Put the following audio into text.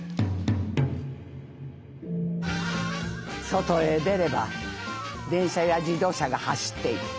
「外へ出れば電車や自動車が走っている」。